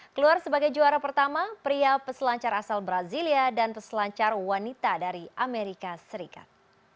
keluar sebagai juara pertama pria peselancar asal brazilia dan peselancar wanita dari amerika serikat